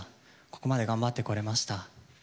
ここまで頑張ってこれました。